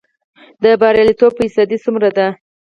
د بریالیتوب فیصدی څومره ده؟